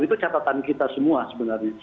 itu catatan kita semua sebenarnya